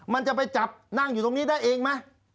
มันจะไปจับนั่งอยู่ตรงนี้ได้เองไหม